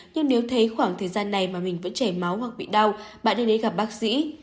nhưng nếu thấy khoảng thời gian này mà mình vẫn chảy máu hoặc bị đau bạn đi đến gặp bác sĩ